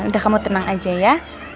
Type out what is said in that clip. udah kamu tenang aja ya